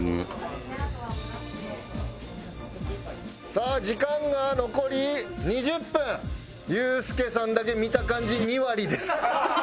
さあ時間がユースケさんだけ見た感じ２割です。